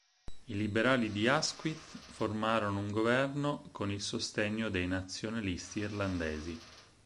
I liberali di Asquith formarono un governo con il sostegno dei nazionalisti irlandesi.